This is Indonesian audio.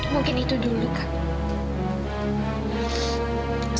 mungkin itu dulu kan